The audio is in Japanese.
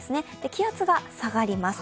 気圧が下がります。